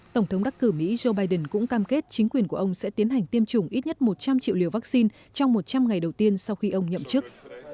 tổng thống đắc cử mỹ joe biden cũng cam kết chính quyền của ông sẽ tiến hành tiêm chủng ít nhất một trăm linh triệu liều vaccine trong một trăm linh ngày đầu tiên sau khi ông nhậm chức